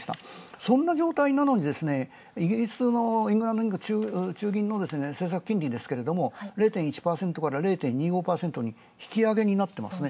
そんな状態からですのでイギリスの中銀の政策金利ですが、０．１％から０．２５％に引き上げになってますね。